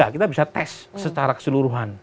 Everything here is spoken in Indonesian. kita bisa tes secara keseluruhan